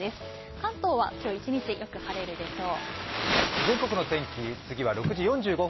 関東は今日一日、よく晴れるでしょう。